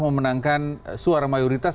memenangkan suara mayoritas